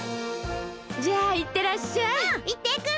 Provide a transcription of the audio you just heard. じゃあいってらっしゃい。